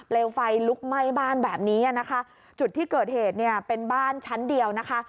ไฟลุกไหม้บ้านแบบนี้นะคะจุดที่เกิดเหตุเนี่ยเป็นบ้านชั้นเดียวนะคะ